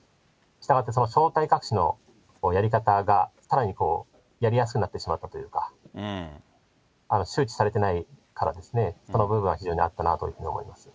したがってその正体隠しのやり方がさらにこうやりやすくなってしまったというか、周知されてないからですね、その部分は非常にあったなというふうに思います。